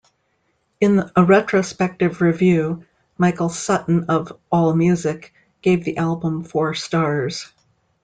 In a retrospective review, Michael Sutton of AllMusic gave the album four stars.